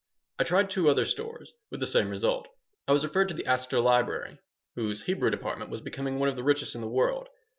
I tried two other stores, with the same result. I was referred to the Astor Library, whose Hebrew department was becoming one of the richest in the world.